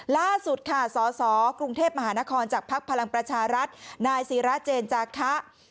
ล่าสุดค่ะสสกรุงเทพมหานครจากภักดิ์พลังประชารัฐนายศิราเจนจาคะ